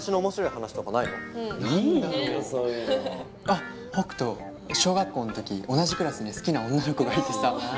あっ北斗小学校のとき同じクラスに好きな女の子がいてさ。